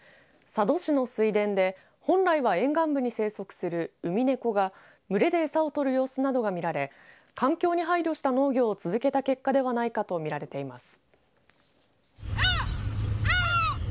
佐渡市の水田で本来は沿岸部に生息するウミネコが群れでエサを取る様子などが見られ環境に配慮した農業を続けた結果ではないかと見られています。